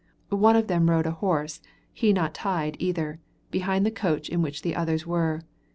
One of them rode a horse, he not tied either, behind the coach in which the others were.